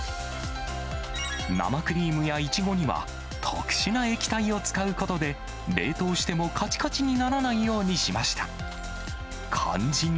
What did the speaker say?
生クリームやイチゴには、特殊な液体を使うことで、冷凍してもかちかちにならないようにしました。